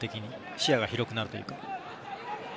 視野が広くなるというか。